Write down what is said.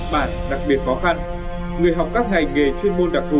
bản đặc biệt phó khăn người học các ngành nghề chuyên môn đặc cụ